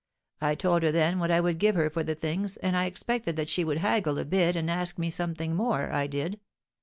I told her then what I would give for the things, and I expected that she would haggle a bit and ask me something more, I did.